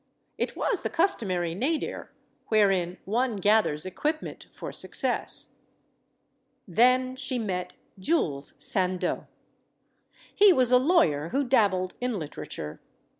It was the customary nadir, wherein one gathers equipment for success. Then she met Jules Sandeau. He was a lawyer who dabbled in literature.